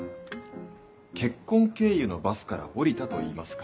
「結婚」経由のバスから降りたといいますか。